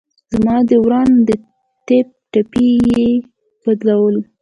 زما د ورانه د ټپ پټۍ يې بدلوله.